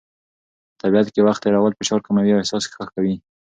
په طبیعت کې وخت تېرول فشار کموي او احساس ښه کوي.